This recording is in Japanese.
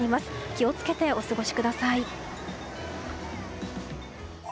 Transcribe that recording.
気を付けてお過ごしください。